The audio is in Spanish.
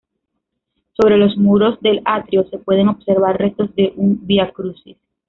Sobre los muros del atrio, se pueden observar restos de un "Vía Crucis".